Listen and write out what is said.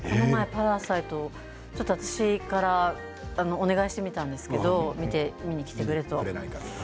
この前「パラサイト」私からお願いしてみたんです見に来てくれと。